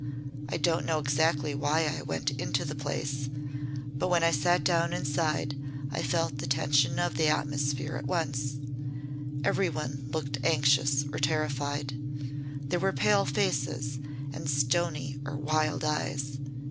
I don't know exactly why I went into the place, but when I sat down inside I felt the tension of the atmosphere at once. Every one looked anxious or terrified. There were pale faces and stony or wild eyes.